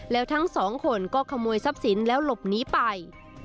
แล้วทั้งสองคนก็ขโมยทรัพย์สินแล้วหลบหนีไป